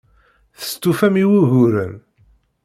Testufam i wuguren.